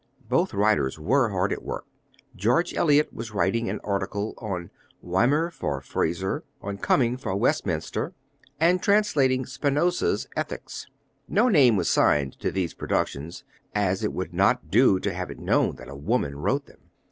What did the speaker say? Both writers were hard at work. George Eliot was writing an article on Weimar for Fraser, on Cumming for Westminster, and translating Spinoza's Ethics. No name was signed to these productions, as it would not do to have it known that a woman wrote them.